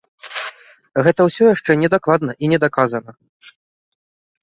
Гэта ўсё яшчэ не дакладна і не даказана.